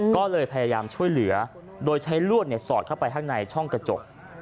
ก็เลยพยายามช่วยเหลือโดยใช้ลวดสอดเข้าไปข้างในช่องกระจก